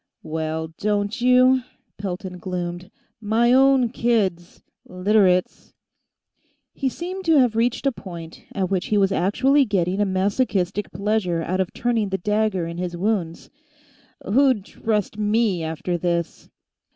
"Well, don't you?" Pelton gloomed. "My own kids, Literates!" He seemed to have reached a point at which he was actually getting a masochistic pleasure out of turning the dagger in his wounds. "Who'd trust me, after this?"